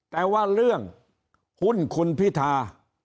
แต่ว่าเรื่องหุ้นคุณพิธา